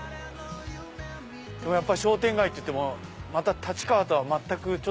でも商店街っていってもまた立川とは全く。